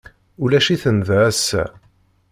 Ulac-iten da ass-a.